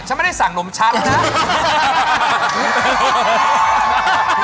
ฉันไม่ได้สั่งนมชัตริย์นะ